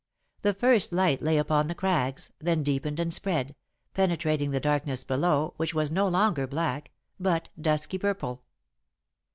The first light lay upon the crags, then deepened and spread, penetrating the darkness below, which was no longer black, but dusky purple.